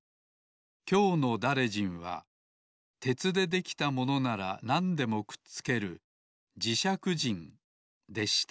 きょうのだれじんはてつでできたものならなんでもくっつけるじしゃくじんでした